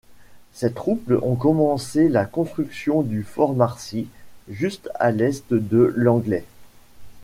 Ces troupes ont commencé la construction de Fort Marcy, juste à l’est de Langley.